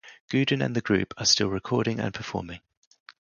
Gooden and the group are still recording and performing.